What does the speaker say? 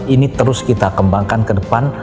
ini terus kita kembangkan ke depan